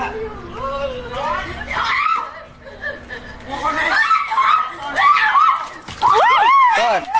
หมู่หน้าหมู่หน้า